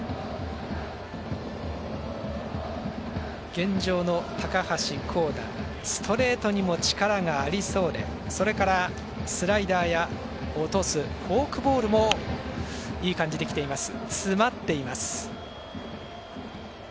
現状の高橋光成ストレートにも力がありそうでそれから、スライダーや落とすフォークボールもいい感じできています。